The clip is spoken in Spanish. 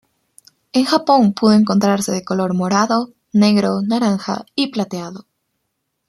En Japón pudo encontrarse de color morado, negro, naranja y plateado.